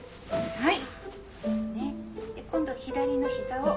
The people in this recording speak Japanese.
はい。